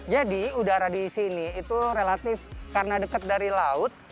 jadi udara disini itu relatif karena deket dari laut